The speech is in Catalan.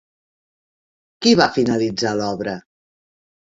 Qui va finalitzar l'obra?